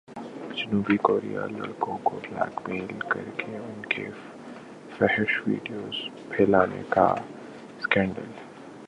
جنوبی کوریا لڑکیوں کو بلیک میل کرکے ان کی فحش ویڈیوز پھیلانے کا اسکینڈل